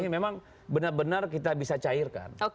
memang benar benar kita bisa cairkan